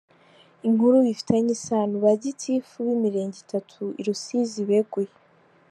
Inkuru bifitanye isano: Ba Gitifu b’Imirenge itatu i Rusizi beguye.